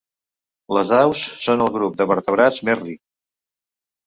Les aus són el grup de vertebrats més ric.